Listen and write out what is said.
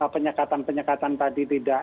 penyekatan penyekatan tadi tidak